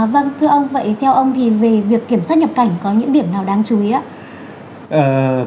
vâng thưa ông vậy theo ông thì về việc kiểm soát nhập cảnh có những điểm nào đáng chú ý ạ